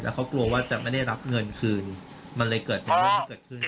แล้วเขากลัวว่าจะไม่ได้รับเงินคืนมันเลยเกิดอะไรไม่ได้เกิดขึ้น